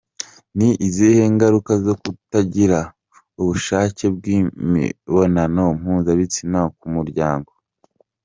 Ni izihe ngaruka zo kutagira ubushake bw’imibonano mpuzabitsina ku muryango?.